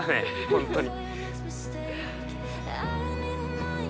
本当に。